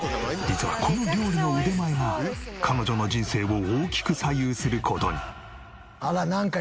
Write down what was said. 実はこの料理の腕前が彼女の人生を大きく左右する事に。